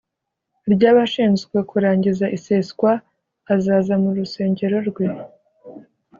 ry abashinzwe kurangiza iseswa azaza mu rusengero rwe